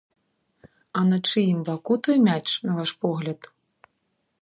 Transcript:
А на чыім баку той мяч, на ваш погляд?